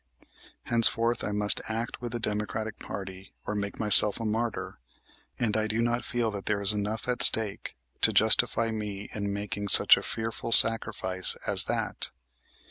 Henceforth I must act with the Democratic party or make myself a martyr; and I do not feel that there is enough at stake to justify me in making such a fearful sacrifice as that.